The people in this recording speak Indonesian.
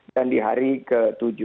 dan di hari ke tujuh